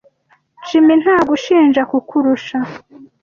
Jim ntagushinja kukurusha.